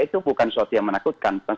itu bukan sesuatu yang menakutkan